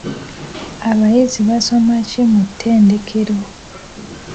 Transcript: Abayizi basoma ki mu ttendekero?